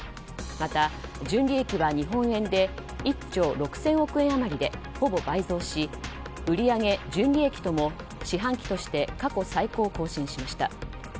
また純利益は日本円で１兆６０００億円余りでほぼ倍増し売り上げ・純利益とも四半期として過去最高を更新しました。